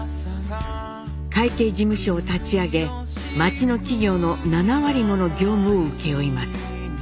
会計事務所を立ち上げ街の企業の７割もの業務を請け負います。